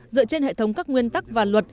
dựa trên hệ thống các nguyên tắc và luật